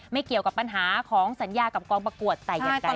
เกี่ยวกับปัญหาของสัญญากับกองประกวดแต่อย่างใด